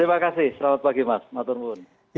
terima kasih selamat pagi mas matur murni